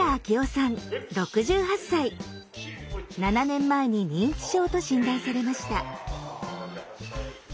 ７年前に認知症と診断されました。